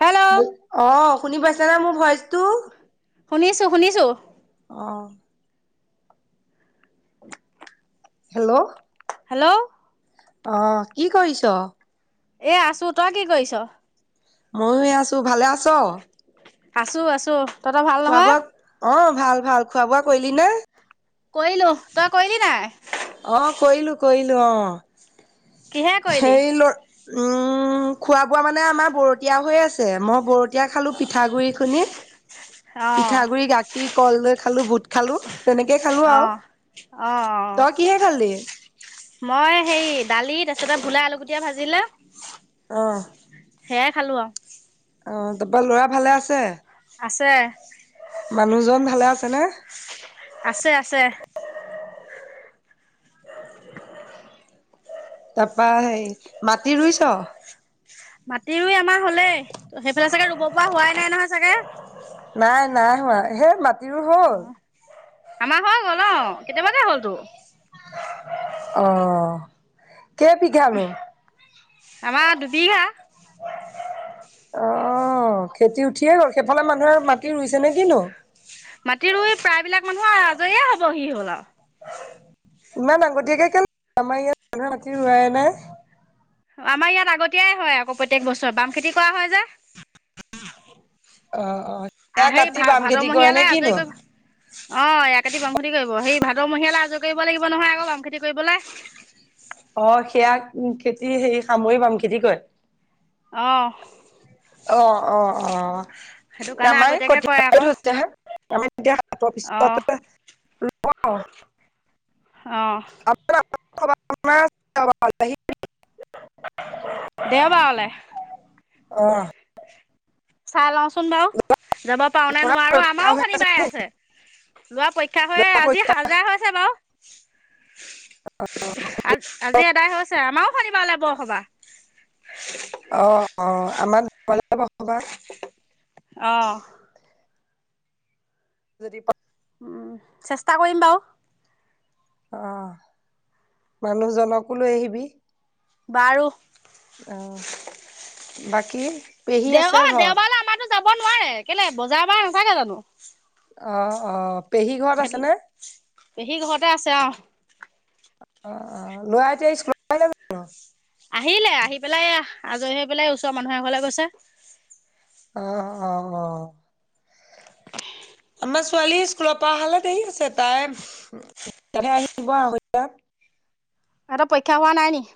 Hello! অ', শুনি পাইছানা মোৰ ভইচটো? শুনিছোঁ, শুনিছোঁ। অ'। হেল্ল'! হেল্ল'? অ কি কৰিছ? এ আছো, তই কি কৰিছ? ময়ো এ আছো ভালে আছ? আছো আছো। তহঁতৰ ভাল খোৱা নহয় -বোৱা, অ ভাল ভাল, খোৱা - বোৱা কৰিলি নে? কৰিলো, তই কৰিলি নাই? অ কৰিলো কৰিলো অ। কিহে কৰিলি হেৰি ল উম খোৱা বোৱা মানে আমাৰ বতীয়া হৈ আছে মই ব তিয়া খালোঁ পিঠাগুড়িখিনি। অ পিঠাগুৰি, গাখীৰ, কল লৈ খালো, বুট খালো তেনেকেই খালো অ আৰু। অ অ। তই কিহে খালি? মই হে দালি তাৰপছিতে ভোলাই আলুগুটীয়া ভাজিলে। অ। সেয়াই খালো আৰু। অ তাৰপা ল'ৰা ভালে আছে? আছে। মানুহজন ভালে আছেনে? আছে আছে। তাৰপা সেই মাটি ৰুইছ? মাটি ৰুই আমাৰ হলেই, ত সেইফালে চাগে ৰুব পৰা হোৱাই নাই নহয় চাগে? নাই নাই হোৱা সেই মাটি ৰুই অ হ'ল? আমাৰ হৈ গ'ল অ, কেতিয়াবাতে হ'লতো। অ, কেই বিঘানো? আমাৰ দুবিঘা। অ খেতি উঠিয়ে গ'ল সেইফালে মানুহে মাটি খেতি ৰুইছে নে কিনো? মাটি ৰুই প্ৰায়বিলাক মানুহৰ আজৰিয়ে হ'ব সি হ'ল আৰু। ইমান আগতীয়াকে কে আমাৰ ইয়াত মানুহৰ মাটি ৰুৱাই নাই। অ আমাৰ ইয়াত আগতীয়াই হয় আকৌ প্ৰত্যেক বছৰ বাম খেতি কৰা হয় যে। অ অ। সেয়া আহেই কাটি ভা বাম ভাদ খেতি কৰে নে মহীয়ালৈ কিনো আজৰি কৰিব অ ইয়া খেতি বাম খেতি কৰিব সেই ভাদৰ মহিয়ালে আজৰি কৰিব লাগিব নহয় আকৌ বাম খেতি কৰিবলৈ। অ সেয়া উম খেতি হেৰি সামৰি বাম খেতি কৰে। অ। অ অ অ। সেইটো কাৰণে আমাৰ আগতীয়াকৈ কৰে আকৌ [unintelligible] হে আমি তেতিয়া হাটৰ পিছৰ অঁ পৰা [unintelligible] অঁহ। [unintelligible] দেওবাৰলে। অ। চাই লওঁচোন বাৰু যাব পাৰো নে ল'ৰা নোৱাৰো? পৰীক্ষা হৈ আমাৰো শনিবাৰে নি আছে। লোৱা পৰীক্ষা হৈ ল'ৰা পৰীক্ষা আজি হাজাৰ হৈছে বাৰু। আজ আজি এদাই হৈছে আমাৰো শনিবাৰলৈ বৰসভা। অ অ আমাক লৈ যাব কবা। অ যদি [unintelligible] চেষ্টা কৰিম বাৰু। অঁ মানুহজনকো লৈ আহিবি। বাৰু অ বাকী। পেহী আছে দেওবাৰ ঘৰত দেওবাৰলে আমাৰতো যাব নোৱাৰে কেলে বজাৰ বাৰ নাথাকে জানো। অ অ পেহী ঘৰত সেইটো আছেনে? পেহী ঘৰতে আছে অ। অ অ লৰা এতিয়া স্কুলত, আহিলে আহি পেলাই আজৰি হৈ পেলাই ওচৰৰ মানুহে এ ঘৰলে গৈছে। অ অ অ অ। আমাৰ ছোৱালী স্কুলৰ পৰা অহালৈ দেৰি হৈছে তাই। তাই আহিব আঢ়ৈ টা। সিহতৰ পৰীক্ষা হোৱা নাই নেকি?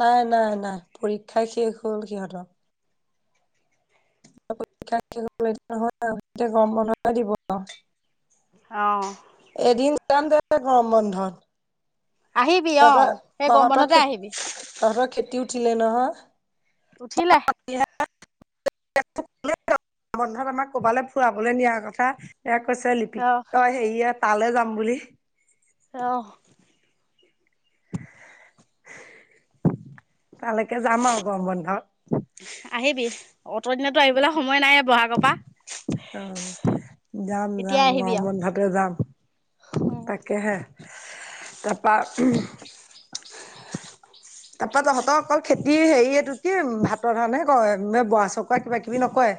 নাই নাই নাই পৰীক্ষাই শেষ হ'ল সিহঁতৰ। নহয় এতিয়া গৰম বন্ধ দিব আউ। অ এদিন যাম দে গৰম বন্ধত। আহিবি অ তহঁতৰ সেই গৰম তহঁতৰ বন্ধতে খেতি আহিবি। তহঁতৰ খেতি উঠিলে নহয়। উঠিলে। বন্ধত আমাক কৰবালে ফূৰাবলৈ নিয়া কথা। এ কৈছে লিপি অ হেৰি তালৈ যাম বুলি। অ তালেকে যাম আৰু গম বন্ধত। আহিবি অত দিনে টো আহিবলৈ সময় নাই বহাগৰ পৰা। অ যাম এতিয়া যাম আহিবি গৰম আৰু বন্ধতে যাম উম তাকেহে, তা পা। তাৰপৰা তহঁতৰ অকল খেতি হেৰি এইটো কি ভাতৰ কাৰণে কয় বৰা চকৰা কিবা কিবি নকয়।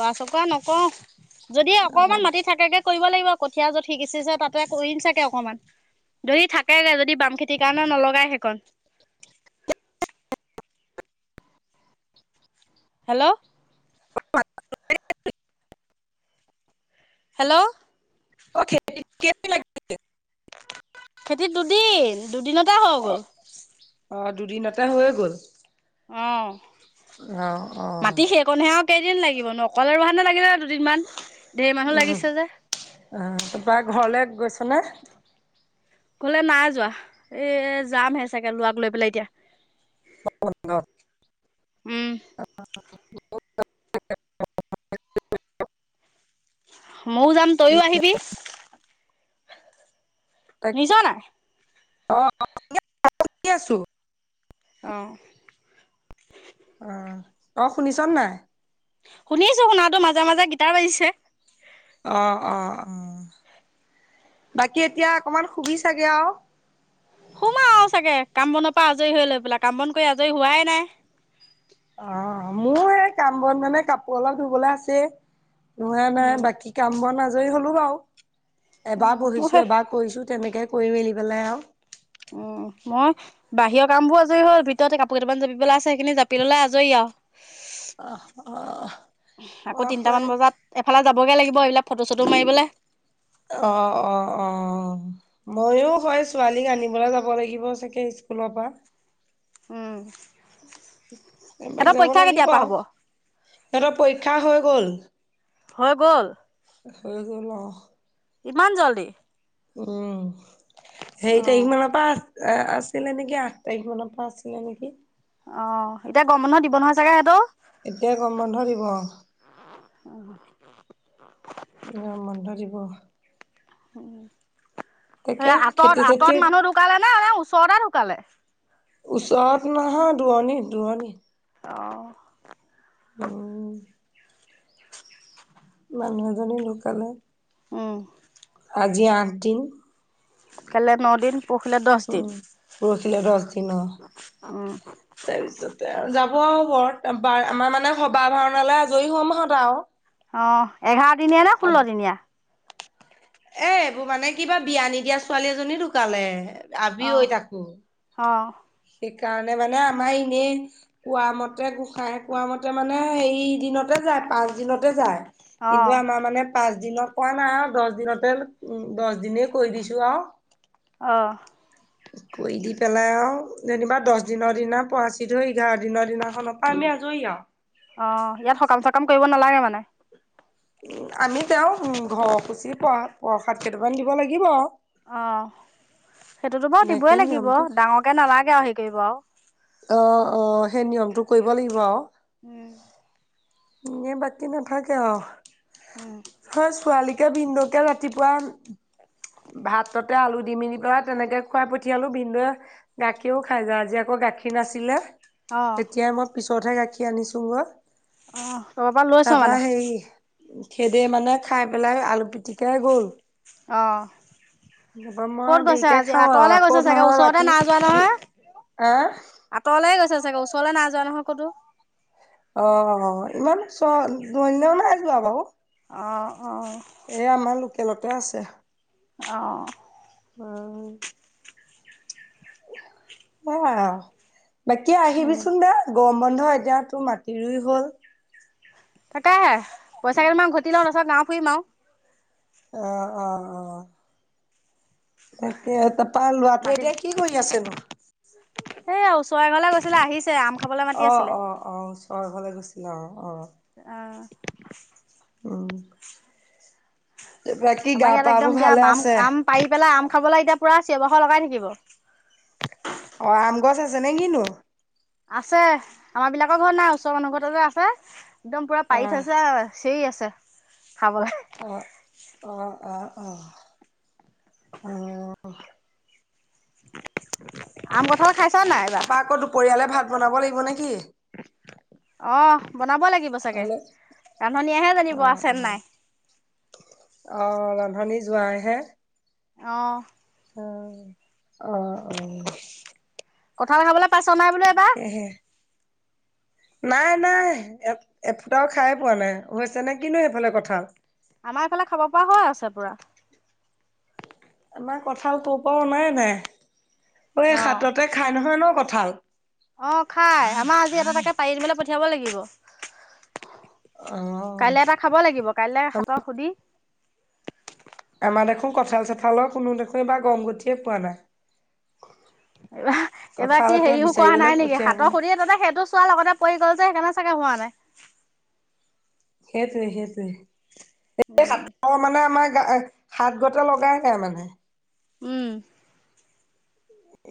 বৱা চকাআ নকও, যদি অকমান মাটি থাকেগে কৰিব লাগিব কঠীয়া যত সিচিছে তাতে কৰিম চাগে অকনমান। যদি থাকেগে যদি বাম খেতিৰ কাৰণে নলগাই হেইকন। হেল্লৌ, হেল্লৌ, অঁ [unintelligible] খেতি দুদিন দুদিনতে হৈ গ'ল। অ দুদিনতে হৈ গ'ল। অ অ অ মাটি সেই। অকণ সে আউ কেইদিন লাগিব নো অকলে ৰুৱা হেঁতেন লাগিলে হয় দুদিন মান ঢেৰ মানুহ উম লাগিছে যে। অ তাৰপৰা ঘৰলে গৈছা নে? ঘলে নাই যোৱা এ যামহে চাগে লোৱাক লৈ পেলাই এতিয়া। [inaudible] উম। [unintelligible] ময়ো যাম, তয়ো আহিবি। শুনিছ তাকে। নাই? অ, অ [unintelligible] অ। অ, অ, শুনিছ নে নাই! শুনিছো, শুনাতটো। মাজে-মাজে গীতাৰ বাজিছে। অ, অ, অ, বাকী, এতিয়া অকমান শুবি চাগে আও। শুম আৰু চাগে, কাম-বনৰ পৰা আজৰি হৈ লৈ পেলাই, কাম-বন পৰা আজৰি হোৱাই নাই। অ, মোৰ এই কাম-বন মানে কাপোৰ অলপ ধুবলৈ আছেই ধুৱাই নাই, উম। বাকী কাম-বন আজৰি হ'লো বাৰু! উম, এবাৰ মোৰ বহিছো সেই এবাৰ কৰিছোঁ, তেনেকে কৰি-মেলি পেলাই আৰু উম, মই বাহিৰৰ কামবোৰ আজৰি হ'ল, ভিতৰ কাপোৰ কেইটা মান জাপিবলৈ আছে, সেইখিনি জাপি ল'লে আজৰি আৰু। অ, অ, মই আকৌ এই এইফালে যাবগৈ লাগিব, এইবিলাক ফটো-চটো মাৰিবলৈ। অ, অ, অ। ময়ো হয় ছোৱালীক আনিবলৈ যাব লাগিব চাগে, স্কুলৰ পৰা। উম। এপাক সিহঁতৰ যাব পৰীক্ষা লাগিব, কেতিয়াৰ পৰা হ'ব সিহঁতৰ পৰীক্ষা হৈ গ'ল। হৈ গ'ল! হৈ গ'ল অ। ইমান জল্দি! উম, হেৰি অঁ তাৰিখ মানৰ পা এ, আছিলে নেকি, আঠ তাৰিখ মানৰ পৰা আছিলে নেকি! অ, এতিয়া গৰম বন্ধ দিব নহয় চাগে সিহতো? এতিয়া গৰম বন্ধ দিব অ। [unintelligible] গৰম বন্ধ দিব। এ, তাকে খেতি আঁতৰত-আঁতৰত চেতিত মানুহ ঢুকালে নে ওচৰতে ঢুকালে? ওচৰত নহয়, দুৰনি-দুৰনি। অ। অ। মানুহ এজনী ঢুকালে। উম। আজি আঠ দিন। কাইলৈ ন দিন। পৰহিলে দহ দিন উম, পৰহিলে দহ দিন অ। উম তাৰ পিছতেই আৰু যাব আৰু ব্ৰত [unintelligible] আমাৰ মানে ভাওনালৈ আজৰি হম হত আৰু। অ', এঘাৰ দিনিয়া নে ষোল্ল দিনিয়া! এ, এইবোৰ মানে কিবা বিয়া নিদিয়া ছোৱালী এজনী ঢুকালে, আবিঐ তাকো। অ। সেই কাৰণে মানে আমাৰ এনেই কোৱা মতে, গোঁসাই কোৱা মতে মানে, হেই দিনতে যায়, পাঁচ দিনতে যায়। কিন্তু অঁ আমাৰ মানে। পাঁচ দিনত পোৱা নাই আৰু দছ দিনতে দছ দিনে কৈ দিছো আৰু। অ কৰি দি পেলাই আৰু। যেনিবা দহ দিনৰ দিনা পৰাচিত হৈ‌, এঘাৰ দিনৰ দিনাখনৰ‌ পৰা আমি আজৰি আৰু। অ 'ইয়াত সকাম -চকাম কৰিব নালাগে মানে। উ, আমি যাওঁ উম, ঘৰ সুচি প্ৰসাদ -প্ৰসাদ কেইটামান দিব লাগিব আৰু। অ 'সেইটোতো বাৰু তেনেকে দিবই লাগিব। নিয়মটো ডাঙৰকে নালাগে আৰু হেৰি কৰিব আৰু। অ'অ'সেই নিয়মটো কৰিব লাগিব আৰু। উম। এনে বাকী নাথাকে আৰু উম সেই ছোৱালী। তই ভিনদেউকে ৰাতিপুৱা। ভাততে আলু দি মেলি পেলাই তেনেকে খুৱাই পঠিয়ালো ভিনদেউক। গাখীৰো খাই যায়, আজি আকৌ গাখীৰ নাছিলে। অঁ তেতিয়া মই পিছতহে গাখীৰ আনিছোঁ গৈ। উম। তাৰ পৰা হেই সেতি মানে খাই পেলাই, আলু পিটিকাই গ'ল। অ তাৰপা মই ক'ত গৈছে দেৰিকে আজি, খাওঁ আৰু আঁতৰলে আকৌ গৈছে চাগে নহয় ওচৰতে ৰাতি না -যোৱা নহয়। আহ আঁতৰলৈ গৈছে চাগে, ওচৰলৈ না -যোৱা নহয় ক'তো। অ'অ'ইমান চ দূৰলৈ না-যোৱা বাৰু। অ'অ' এই আমাৰ লোকেলতে আছে। অ উম। অহ, বাকী আহিবি উম, চোন বা গৰম বন্ধ এতিয়া তোৰ মাটি ৰুই হ'ল। তাকেহে পইচা কেইটামান ঘটি লও তাৰপিছত, গাওঁ ফুৰিম আৰু। অ 'অ 'অ তাকেই তাৰপা ল'ৰা টোৱে মাতিছে এতিয়া কি কৰি আছেনো? এই ওচৰে এঘৰলৈ গৈছিলে আহিছে, আম খাবলৈ মাতি আছে। অ'অ'অ'ওচৰ ঘৰলৈ গৈছিলে অ'অ। অ। উম। বাকী গা আমাৰ ইয়াত পাবোৰ একদম এতিয়া ভালে বাম আছে? আম পাৰি পেলাই। আম খাবলৈ এতিয়া পুৰা চিঞঁৰ-বাখৰ লগাই থাকিব। অ' আম গছ আছেনে কিনো? আছে, আমাৰ বিলাকৰ ঘৰত নাই। ওচৰ মানুহ ঘৰত যে আছে, একদম পুৰা অ'। পাৰি থৈছে। চিঞৰী আছে খাবলৈ অ অ অ অ অ আম কঁঠাল খাইছা নাই এইবাৰ পৰিয়ালে ভাত বনাব লাগিব নেকি অঁ বনাব লাগিব চাগে অ', ৰান্ধনীয়েহে জানিব আছে অ', নাই অ ৰান্ধনি যোৱাই হে অ অ অ অ কঁঠাল খাবলৈ পাইছ নাই বোলো এইবাৰ এহে নাই নাই এফুটাও খায়ে পোৱা নাই হৈছে নে কিনো সেইফালে কঁঠাল আমাৰ ফালে খাব পৰা হৈ আছে পুৰা আমাৰ কঁঠাল কৰ' পৰাও অনায়ে নাই ঐ হাততে খাই নহয় ন কঁঠাল অ খাই আমাৰ আজি এটা এটাকে পাৰি আনিবলে পঠিয়াব লাগিব। কাইলৈ অ এটা খাব লাগিব কাইলৈ হাতক সুধি আমাৰ দেখোন কঁঠাল চঠালৰ কোনো দেখোন এইবাৰ গম গতিয়ে পোৱা নাই। এইবাৰ এইবাৰ কঁঠাল কি এটা হেৰিও কোৱা বিচাৰিবলৈ নাই নেকি পঠিয়াবই হাতৰ সুদি তাতে সেইটো চোৱাৰ লগতে পৰি গ'ল যে সেইকাৰণে চাগে হোৱা নাই। সেইটোৱে সেইটোৱে উম অ মানে আমাৰ হাতগটা লগাই নাই মানে। উম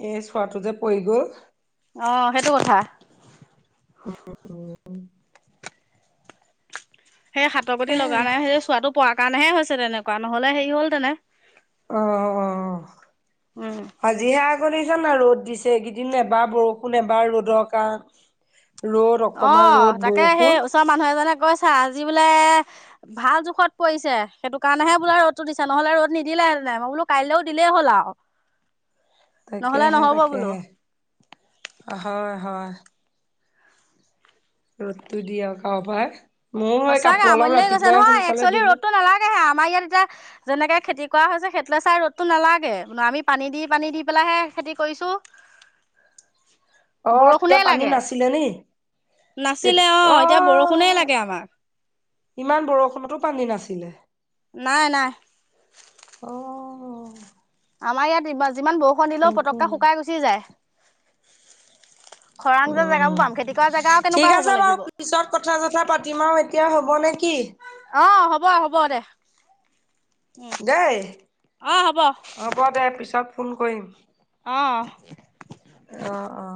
এই চোৱাটো যে পৰি গ'ল। অ সেইটো কথা সেই হাতৰগটি লগা তাকেহে নাই সেই চোৱাটো পোৱাৰ কাৰণেহে হৈছে তেনেকুৱা নহলে হেৰি হ'ল তেনে অ অ অ উম আজিহে আগত দিছ না ৰ'দ দিছে এই কেইদিন এবাৰ বৰষুণ এবা ৰ'দৰ কাৰণ ৰ'দ অকণমান ৰ'দ বৰষুণ ওচৰ মানুহ এজনে কৈছে আজি বোলে ভাল জোখত পৰিছে সেইটো কাৰণেহে বোলে ৰ'দটো দিছে নহ'লে ৰ'দ নিদিলেহেলে মই বোলো কাইলৈও দিলেই হ'ল আৰু [inaudible] নহ'লে তাকেহে নহ'ব বোলো। তাকেহে হয় হয়। ৰ'দটো দিয়ক আৰু ভাই সঁচাকে আমনি লাগি গৈছে নহয় একচোৱেলি ধুলো ৰ'দটো নালাগেহে আমাৰ ইয়াত এতিয়া যেনেকে খেতি কৰা হৈছে সেইটো চাই ৰ'দটো নালাগে আমি পানী দি পানী দি পেলাইহে খেতি কৰিছো। [inaudible] অ তেতিয়া পানী নাছিলে নি। নাছিলে অ এতিয়া বৰষুণেই লাগে আমাক। ইমান বৰষুণতো পানী নাছিলে। নাই নাই। অ আমাৰ ইয়াত ইমান যিমান বৰষুণ দিলেও তাকে পতককৈ শুকাই গুচি যায়। খৰাং যে উম জেগাবোৰ বাম খেতি কৰা জেগাও ঠিক কেনেকোৱা হ'ব আছে বাৰু লাগিব। পিছত কথা জথা পাতিম আৰু এতিয়া হ'ব নে কি। অ হ'ব হ'ব দে। উম দেই অ হ'ব হ'ব দে পিছত ফোন কৰিম। অ অ অ